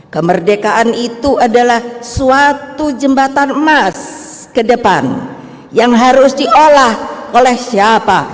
kemerdekaan itu adalah suatu jembatan emas ke depan yang harus diolah oleh siapa